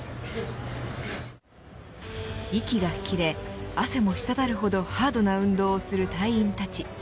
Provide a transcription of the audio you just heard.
息が切れ汗もしたたるほどハードな運動をする隊員たち。